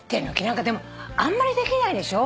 でもあんまりできないでしょ？